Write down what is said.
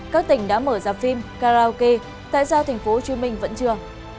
các tỉnh đã mở ra phim karaoke tại sao tp hcm vẫn chưa